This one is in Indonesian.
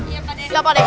iya pak d